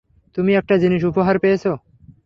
তুমি একটা জিনিস উপহার পেয়েছ।